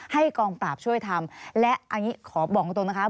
กองปราบช่วยทำและอันนี้ขอบอกตรงนะคะ